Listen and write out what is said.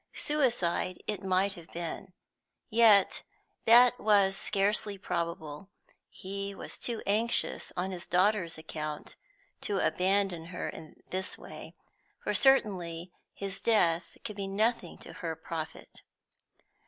Suicide it might have been, yet that was scarcely probable; he was too anxious on his daughter's account to abandon her in this way, for certainly his death could be nothing to her profit.